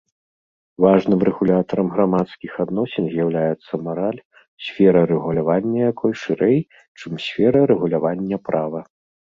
Важным рэгулятарам грамадскіх адносін з'яўляецца мараль, сфера рэгулявання якой шырэй, чым сфера рэгулявання права.